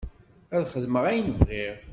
Ad xedmeɣ ayen bɣiɣ.